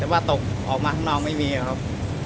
แต่ว่าตกออกมาข้างนอกไม่มีครับ